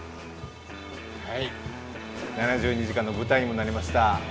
「７２時間」の舞台にもなりました